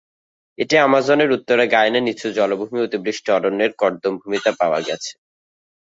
এটি আমাজনের উত্তরের গায়ানা নিচু জলাভূমি অতিবৃষ্টি অরণ্যের কর্দম ভূমিতে পাওয়া গেছে।